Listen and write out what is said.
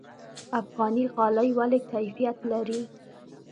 افغاني غالۍ ولې کیفیت لري؟